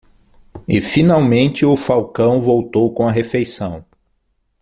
E finalmente o falcão voltou com a refeição.